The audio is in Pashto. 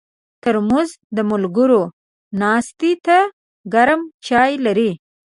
ترموز د ملګرو ناستې ته ګرم چای لري.